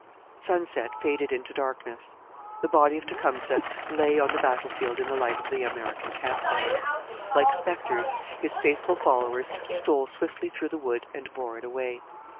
Sunset faded into darkness. The body of Tecumseh lay on the battlefield in the light of the American camp fires. Like spectres his faithful followers stole swiftly through the wood and bore it away.